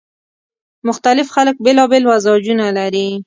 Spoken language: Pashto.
مختلف خلک بیلابېل مزاجونه لري